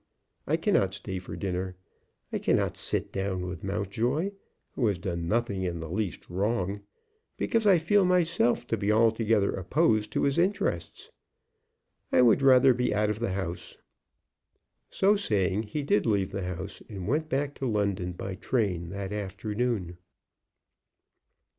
I cannot stay for dinner. I cannot sit down with Mountjoy, who has done nothing in the least wrong, because I feel myself to be altogether opposed to his interests. I would rather be out of the house." So saying he did leave the house, and went back to London by train that afternoon.